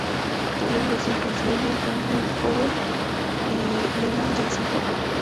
Tuvieron dos hijos: William Franklin Howell, y Leland Jackson Howell.